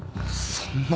そんな。